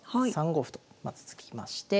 ３五歩とまず突きまして。